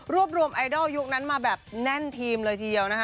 รวมรวมไอดอลยุคนั้นมาแบบแน่นทีมเลยทีเดียวนะคะ